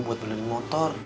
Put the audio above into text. buat beli motor